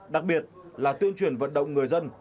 đặc biệt là tuyên truyền vận động người dân